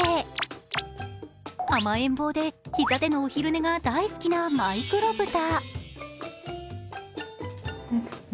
甘えん坊で膝でのお昼寝が大好きなマイクロブタ。